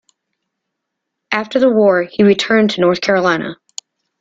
After the war, he returned to North Carolina.